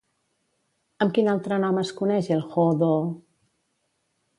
Amb quin altre nom es coneix el Hoodoo?